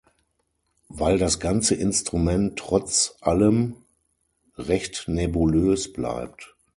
Weil das ganze Instrument trotz allem recht nebulös bleibt.